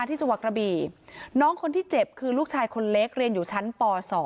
ที่จังหวัดกระบี่น้องคนที่เจ็บคือลูกชายคนเล็กเรียนอยู่ชั้นป๒